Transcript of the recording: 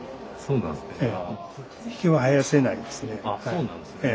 そうなんですね。